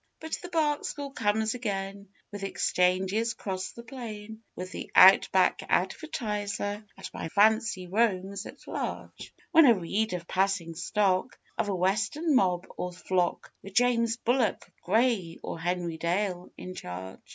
But the bark school comes again with exchanges 'cross the plain With the OUT BACK ADVERTISER; and my fancy roams at large When I read of passing stock, of a western mob or flock, With 'James Bullock,' 'Grey,' or 'Henry Dale' in charge.